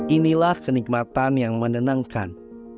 inilah kenikmatan yang menenangkan